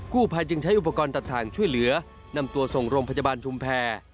ภายจึงใช้อุปกรณ์ตัดทางช่วยเหลือนำตัวส่งโรงพยาบาลชุมแพร